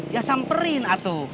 ya samperin atuh